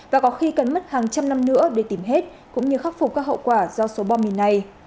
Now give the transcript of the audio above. và có khi cần mất hàng trăm năm nữa để tìm hết cũng như khắc phục các hậu quả do số bom mìn này